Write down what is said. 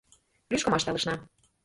Лӱшкымаш талышна.